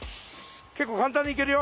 構簡単にいけるよ。